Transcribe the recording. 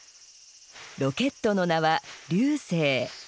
ロケットの名は龍勢。